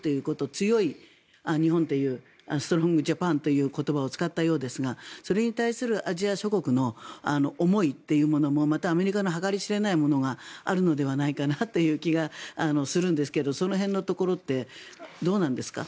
強い日本というストロング・ジャパンという言葉を使ったようですがそれに対するアジア諸国の思いというものもアメリカの計り知れないものがあるのではないかなという気がするんですけどその辺のところってどうなんですか？